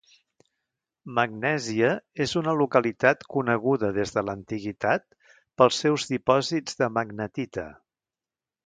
Magnèsia és una localitat coneguda des de l'antiguitat pels seus dipòsits de magnetita.